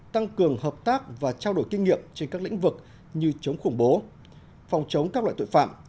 tăng cường hợp tác và trao đổi kinh nghiệm trên các lĩnh vực như chống khủng bố phòng chống các loại tội phạm